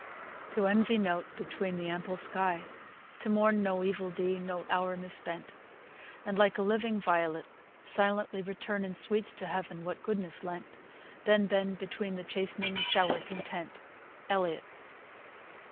To envy nought beneath the ample sky; To mourn no evil deed, no hour mis spent; And, like a living violet, silently Return in sweets to Heaven what goodness lent, Then bend beneath the chastening shower content. ELLIOTT.